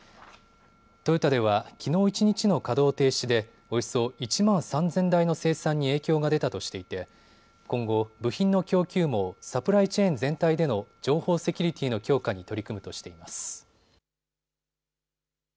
トヨタではきのう一日の稼働停止でおよそ１万３０００台の生産に影響が出たとしていて今後、部品の供給網・サプライチェーン全体での情報セキュリティーの強化に取り組むとしています。